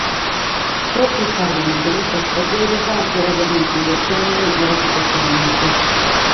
Pròpiu sa prima de custas tragèdias dd’aiat permìtidu de otènnere un’èsitu econòmicu.